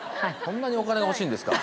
そんなにお金が欲しいんですか。